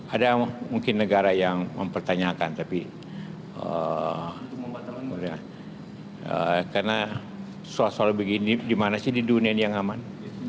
ada mungkin negara yang mempertanyakan tapi karena soal soal begini gimana sih di dunia ini yang aman